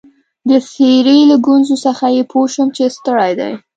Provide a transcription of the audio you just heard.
د څېرې له ګونجو څخه يې پوه شوم چي ستړی دی.